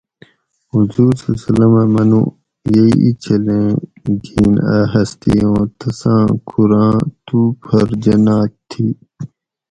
حضور (ص) اۤ منو: یئ ایں چھلیں گِین اۤ ہستی اُوں تساۤں کھُور آں توپھر جناۤت تھی